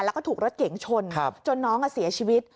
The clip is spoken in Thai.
แล้วก็ถูกรถเก๋งชนจนน้องเสียชีวิต